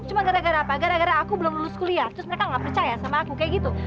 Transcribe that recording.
cuma gara gara apa gara gara aku belum lulus kuliah terus mereka nggak percaya sama aku kayak gitu